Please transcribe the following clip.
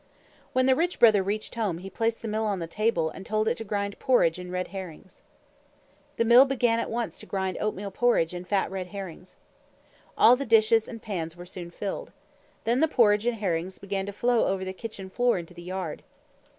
When the Rich Brother reached home, he placed the Mill on the table, and told it to grind porridge and red herrings. The Mill began at once to grind oatmeal porridge and fat red herrings. All the dishes and pans were soon filled. Then the porridge and herrings began to flow over the kitchen floor into the yard.